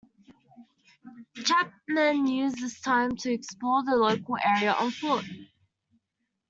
Chapman used this time to explore the local area on foot.